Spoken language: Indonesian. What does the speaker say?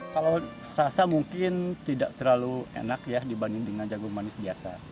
kalau rasa mungkin tidak terlalu enak ya dibanding dengan jagung manis biasa